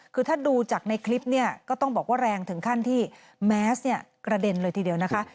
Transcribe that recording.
คือถ้าดูจากในคลิปเนี่ยก็ต้องบอกว่าแรงถึงขั้นที่แมสเนี่ยกระเด็นเลยทีเดียวนะคะ